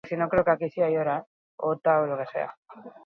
Diseinu fasean nahi ekoizpenean sor daiteke.